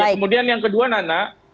kemudian yang kedua nana